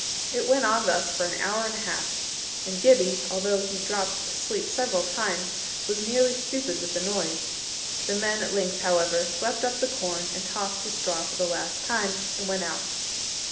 It went on thus for an hour and a half, and Gibbie although he dropped asleep several times, was nearly stupid with the noise. The men at length, however, swept up the corn and tossed up the straw for the last time, and went out.